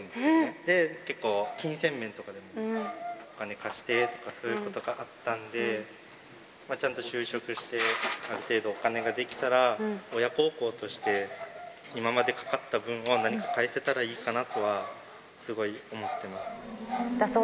で、結構、金銭面とかでもお金貸してとか、そういうことがあったんで、ちゃんと就職して、ある程度お金が出来たら、親孝行として、今までかかった分は、何か返せたらいいかなとはすごい想ってますね。